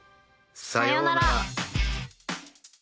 さようなら。